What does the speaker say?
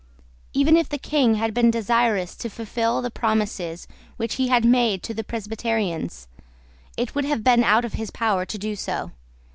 Even if the King had been desirous to fulfill the promises which he had made to the Presbyterians, it would have been out of his power to do so.